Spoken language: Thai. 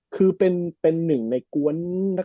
คือเป็นหนึ่งในกวน